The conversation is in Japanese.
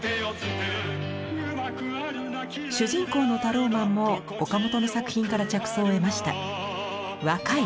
主人公のタローマンも岡本の作品から着想を得ました。